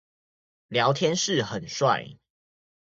聊天室很帥